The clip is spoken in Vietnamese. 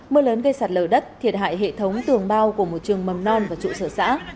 mưa lớn gây sạt lở đất thiệt hại hệ thống tường bao của một trường mầm non và trụ sở xã